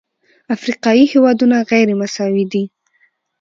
افریقایي هېوادونه غیرمساوي دي.